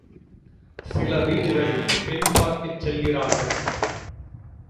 சில வீடுகளில் பெண் பார்க்கச் செல்கிறார்கள்.